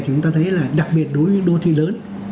thì chúng ta thấy là đặc biệt đối với những đô thị lớn